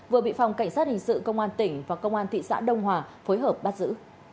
vừa bị phòng cảnh sát hình sự công an tỉnh và công an thị xã đông hòa phối hợp bắt giữ